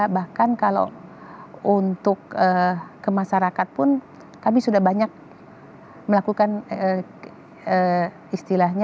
bahkan kalau untuk ke masyarakat pun kami sudah banyak melakukan istilahnya